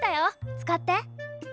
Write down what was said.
使って。